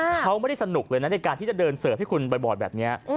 เขาไม่ได้สนุกเลยนะในการที่จะเดินเสิร์ฟให้คุณบ่อยแบบนี้